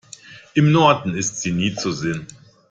Im Norden ist sie nie zu sehen.